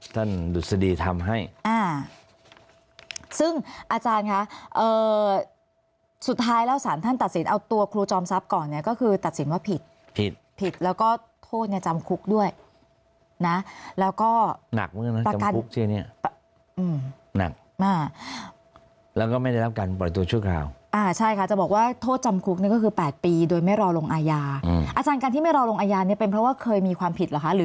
อย่างดุษดีธรรมให้ซึ่งอาจารย์ค่ะสุดท้ายแล้วสารท่านตัดสินเอาตัวครูจำทรัพย์ก่อนก็คือตัดสินว่าผิดผิดแล้วก็โทษในจำคุกด้วยนะแล้วก็หนักแล้วก็ไม่ได้รับการปล่อยตัวชั่วคราวใช่ค่ะจะบอกว่าโทษจำคุกก็คือ๘ปีโดยไม่รอลงอาญาอาจารย์การที่ไม่รอลงอาญานี้เป็นเพราะว่าเคยมีความผ